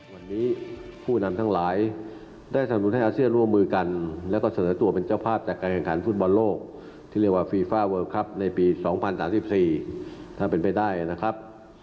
วันนี้ผู้นำทั้งหลายได้สนุนให้อาเซียนร่วมมือกันแล้วก็เสนอตัวเป็นเจ้าภาพจัดการแข่งขันฟุตบอลโลกที่เรียกว่าฟีฟ่าเวิลครับในปี๒๐๓๔ถ้าเป็นไปได้นะครับ